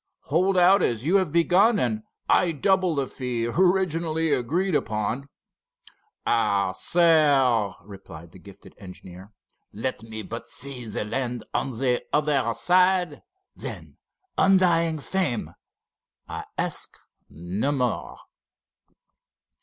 Hold out as you have begun, and I double the fee originally agreed upon." "Ah, sir," replied the gifted engineer, "let me but see the land on the other side—then, undying fame! I ask no more."